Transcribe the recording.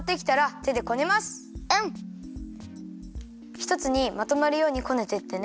ひとつにまとまるようにこねてってね。